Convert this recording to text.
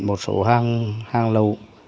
một số hàng lầu